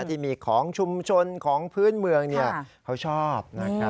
ที่มีของชุมชนของพื้นเมืองเขาชอบ